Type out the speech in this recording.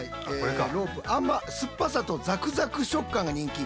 ロープ甘酸っぱさとザクザク食感が人気。